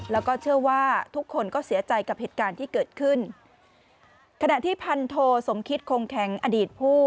แล้วก็เชื่อว่าทุกคนก็เสียใจกับเหตุการณ์ที่เกิดขึ้นขณะที่พันโทสมคิตคงแข็งอดีตผู้